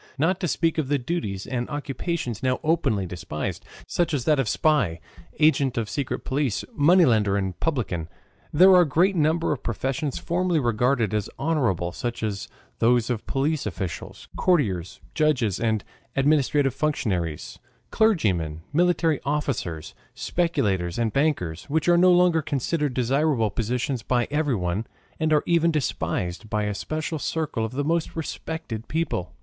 Not to speak of the duties and occupations now openly despised, such as that of spy, agent of secret police, moneylender, and publican, there are a great number of professions formerly regarded as honorable, such as those of police officials, courtiers, judges, and administrative functionaries, clergymen, military officers, speculators, and bankers, which are no longer considered desirable positions by everyone, and are even despised by a special circle of the most respected people.